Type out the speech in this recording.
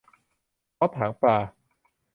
น็อตหางปลา